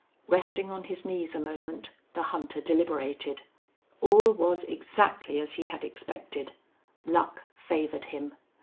Resting on his knees a moment the hunter deliberated. All was exactly as he had expected. Luck favored him.